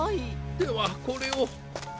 ではこれを。